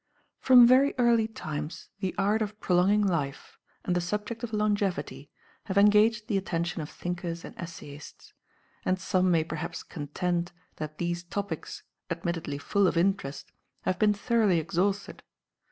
From very early times the art of prolonging life, and the subject of longevity, have engaged the attention of thinkers and essayists; and some may perhaps contend that these topics, admittedly full of interest, have been thoroughly exhausted.